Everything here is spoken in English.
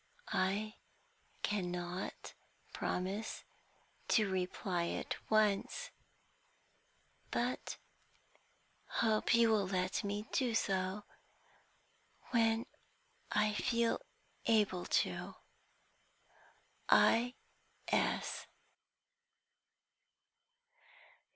I cannot promise to reply at once, but hope you will let me do so when I feel able to. I. S."